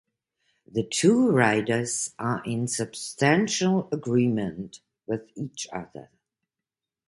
The two writers are in substantial agreement with each other.